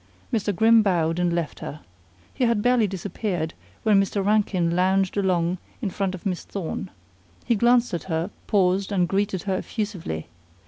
Mr. Grimm bowed and left her. He had barely disappeared when Mr. Rankin lounged along in front of Miss Thorne. He glanced at her, paused and greeted her effusively.